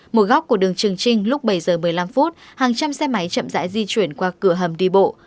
một góc của đường trường trinh lúc bảy giờ một mươi năm hàng trăm xe máy chậm rãi di chuyển qua cửa hầm đi bộ